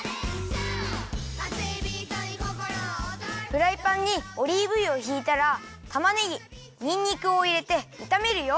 フライパンにオリーブ油をひいたらたまねぎにんにくをいれていためるよ。